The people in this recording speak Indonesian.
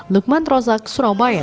lukman rozak surabaya